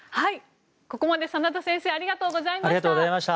ここまで真田先生ありがとうございました。